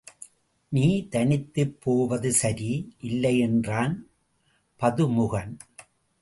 நீ தனித்துப் போவது சரி இல்லை என்றான் பதுமுகன்.